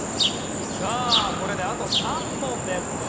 さあこれであと３問です。